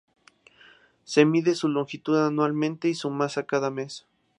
Se mide su longitud anualmente y su masa cada mes.